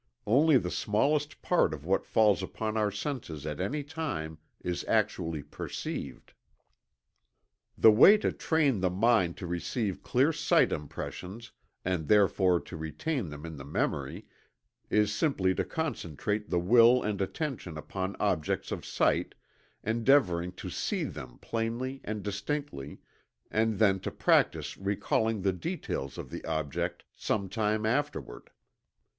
Only the smallest part of what falls upon our senses at any time is actually perceived." The way to train the mind to receive clear sight impressions, and therefore to retain them in the memory is simply to concentrate the will and attention upon objects of sight, endeavoring to see them plainly and distinctly, and then to practice recalling the details of the object some time afterward.